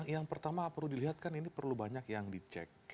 yang pertama perlu dilihatkan ini perlu banyak yang dicek